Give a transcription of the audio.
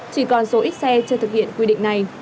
chỉ còn số ít xe chưa thực hiện quy định này